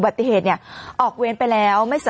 ปรากฏว่าสิ่งที่เกิดขึ้นคลิปนี้ฮะ